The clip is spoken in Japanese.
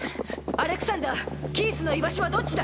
アレクサンダーキースの居場所はどっちだ？